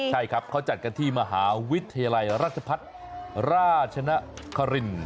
ใช่ครับเขาจัดกันที่มหาวิทยาลัยราชพัฒน์ราชนคริน